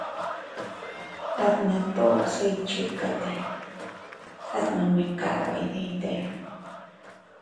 Atna toʼo se iychikate, at nome kaba iydite.